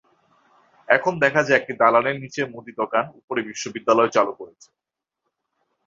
এখন দেখা যায়, একটি দালানের নিচে মুদি দোকান, ওপরে বিশ্ববিদ্যালয় চালু করেছে।